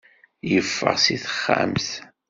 Yeffeɣ si texxamt.